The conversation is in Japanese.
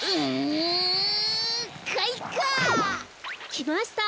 きました！